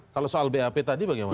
kalau soal bap tadi bagaimana